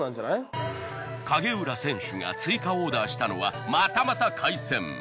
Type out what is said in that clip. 影浦選手が追加オーダーしたのはまたまた海鮮。